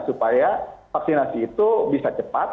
supaya vaksinasi itu bisa cepat